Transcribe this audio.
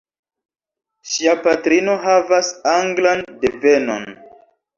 Ŝia patrino havas anglan devenon.